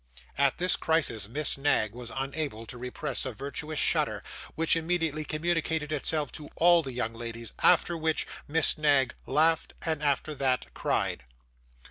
At this crisis, Miss Knag was unable to repress a virtuous shudder, which immediately communicated itself to all the young ladies; after which, Miss Knag laughed, and after that, cried.